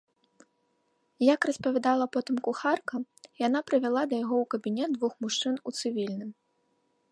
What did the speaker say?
Як распавядала потым кухарка, яна прывяла да яго ў кабінет двух мужчын у цывільным.